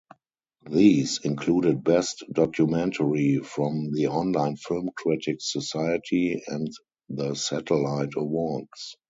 These included Best Documentary from the Online Film Critics Society and the Satellite Awards.